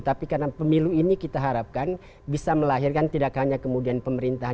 tapi karena pemilu ini kita harapkan bisa melahirkan tidak hanya kemudian pemerintah